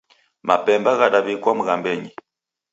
Mapemba ghadaw'ikwa mghambenyi